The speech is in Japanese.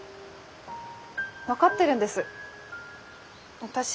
分かってるんです私